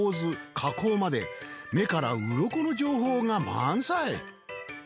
加工まで目からウロコの情報が満載。